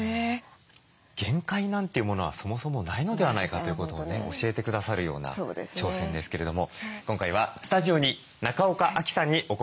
限界なんていうものはそもそもないのではないかということをね教えてくださるような挑戦ですけれども今回はスタジオに中岡亜希さんにお越し頂きました。